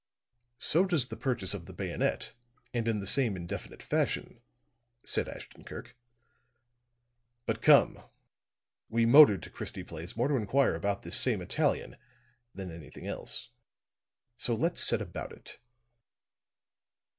"So does the purchase of the bayonet, and in the same indefinite fashion," said Ashton Kirk. "But come, we motored to Christie Place more to inquire about this same Italian than anything else. So let's set about it."